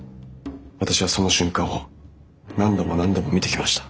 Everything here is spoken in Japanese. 私はその瞬間を何度も何度も見てきました。